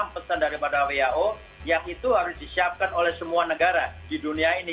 pesan daripada who yang itu harus disiapkan oleh semua negara di dunia ini